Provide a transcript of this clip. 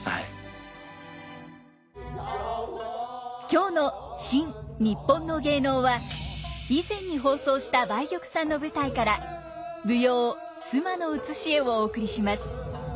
今日の「新・にっぽんの芸能」は以前に放送した梅玉さんの舞台から舞踊「須磨の写絵」をお送りします。